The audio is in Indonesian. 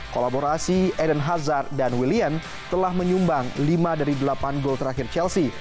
kolaborasi eden hazard dan willian telah menyumbang lima dari delapan gol terakhir chelsea